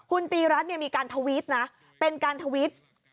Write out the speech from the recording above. คุณตีรัฐมีการทวิตนะเป็นการทวิต